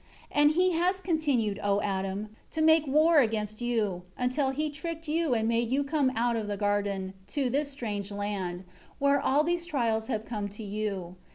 15 And he has continued, O Adam, to make war against you, until he tricked you and made you come out of the garden, to this strange land, where all these trials have come to you.